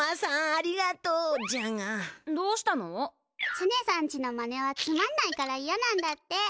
ツネさんちのまねはつまんないからいやなんだって。